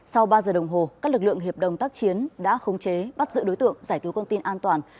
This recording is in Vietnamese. sau ba giờ đồng hồ các lực lượng hiệp đồng tác chiến đã khống chế bắt giữ đối tượng giải cứu con tin an toàn